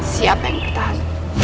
siap men berdahan